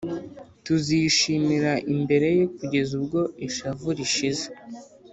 Tuzishimira imbere ye kugeza ubwo ishavu rishize